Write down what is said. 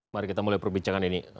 mari kita mulai perbincangan ini